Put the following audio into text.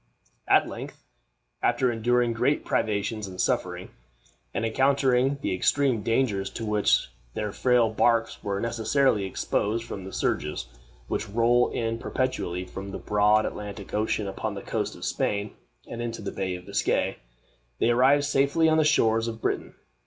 At length, after enduring great privations and suffering, and encountering the extreme dangers to which their frail barks were necessarily exposed from the surges which roll in perpetually from the broad Atlantic Ocean upon the coast of Spain and into the Bay of Biscay, they arrived safely on the shores of Britain.